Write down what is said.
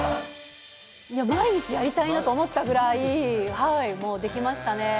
毎日やりたいなと思ったくらい、もうできましたね。